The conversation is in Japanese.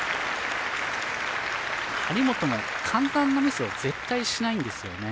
張本も簡単なミスを絶対しないんですよね。